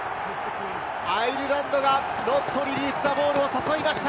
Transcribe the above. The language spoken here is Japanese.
アイルランドがノットリリースザボールを誘いました。